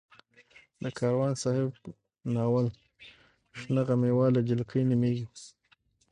د کاروان صاحب ناول شنه غمي واله جلکۍ نومېږي.